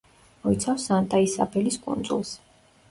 მოიცავს სანტა-ისაბელის კუნძულს.